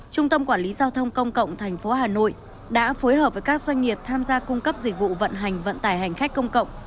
trung tâm quản lý giao thông công cộng tp hà nội đã phối hợp với các doanh nghiệp tham gia cung cấp dịch vụ vận hành vận tải hành khách công cộng